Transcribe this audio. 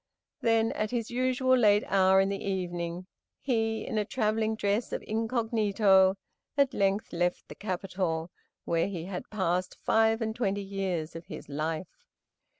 Then, at his usual late hour in the evening, he, in a travelling dress of incognito, at length left the capital, where he had passed five and twenty years of his life.